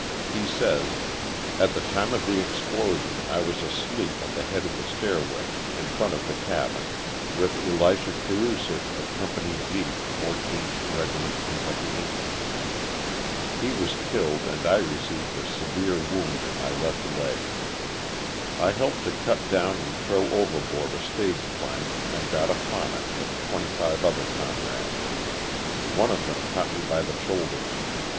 He says: At the time of the explosion I was asleep at the head of the stairway, in front of the cabin, with Elisha Ourusitte of Company G, 14th Regiment Kentucky Infantry; he was killed and I re ceived a severe wound in my left leg, I helped to cut down and throw overboard a stage plank and got upon it, with twenty five other comrades. One of them caught me by the shoulders.